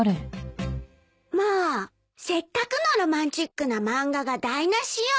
もうせっかくのロマンチックな漫画が台無しよ！